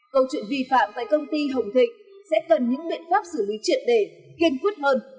câu chuyện vi phạm tại công ty hồng thịnh sẽ cần những biện pháp xử lý triệt đề kiên quyết hơn